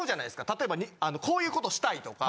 例えばこういうことしたいとか。